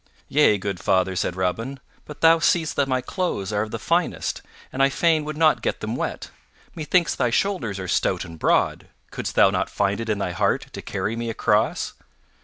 "Yea, good father," said Robin, "but thou seest that my clothes are of the finest and I fain would not get them wet. Methinks thy shoulders are stout and broad; couldst thou not find it in thy heart to carry me across?"